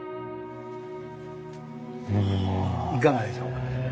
いかがでしょうか？